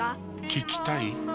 聞きたい？